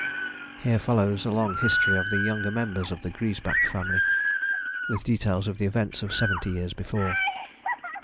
[Here follows a long history of the younger members of the Griesbach family, with details of the events of seventy years before.